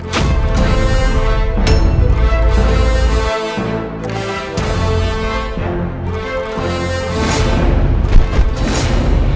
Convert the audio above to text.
ayah anda yang menghadapi mereka